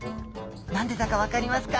何でだかわかりますか？